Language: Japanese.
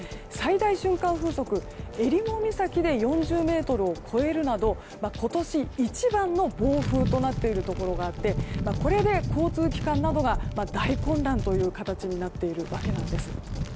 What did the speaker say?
最大瞬間風速、えりも岬で４０メートルを超えるなど今年一番の暴風となっているところがあってこれで交通機関などが大混乱という形になっているわけです。